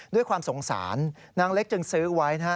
ด้วยความสงสารนางเล็กจึงซื้อไว้นะฮะ